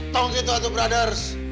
tunggu gitu atu brothers